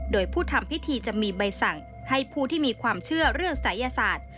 โดยผู้ทำพิธีจะมีใบสั่งให้ผู้ที่มีความเชื่อเรื่องศัยศาสตร์